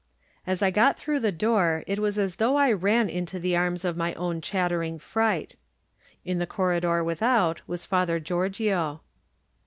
As I got through the door it was as though I ran into the arms of my own chattering fright. In the corridor without was Father Giorgio.